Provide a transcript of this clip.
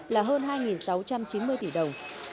là hơn hai sáu trăm chín mươi tỷ đồng